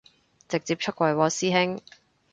直接出櫃喎師兄